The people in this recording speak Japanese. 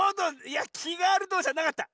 いやきがあるとかじゃなかった。